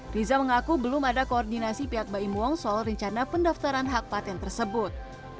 riza mengaku belum ada koordinasi pihak baim wong soal rencana pendaftaran hak patent tersebut